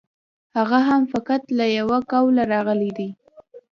هغه هم فقط له یوه قوله راغلی دی.